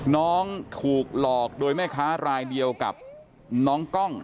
น้องถูกหลอกโดยแม่ค้ารายเดียวกับน้องกล้อง